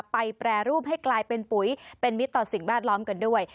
แปรรูปให้กลายเป็นปุ๋ยเป็นมิตรต่อสิ่งแวดล้อมกันด้วย